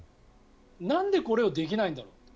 なんでこれをできないんだと。